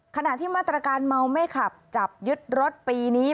ขณะที่มาตรการเมาไม่ขับจับยึดรถปีนี้